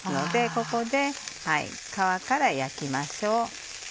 ここで皮から焼きましょう。